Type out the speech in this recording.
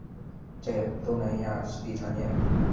在东南亚湿地常见。